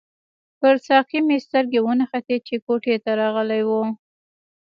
پر ساقي مې سترګې ونښتې چې کوټې ته راغلی وو.